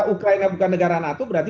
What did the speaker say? ukraina bukan negara nato berarti